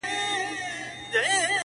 كومه پېغله به غرمه د ميوند سره كي،